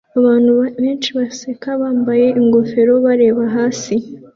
Abantu benshi baseka bambaye ingofero bareba hasi